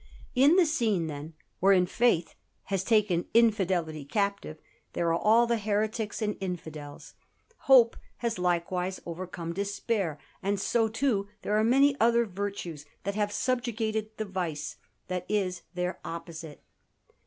In the scene, then, wherein Faith has taken Infidelity captive, there are all the heretics and infidels. Hope has likewise overcome Despair, and so, too, there are many other Virtues that have subjugated the Vice that is their opposite.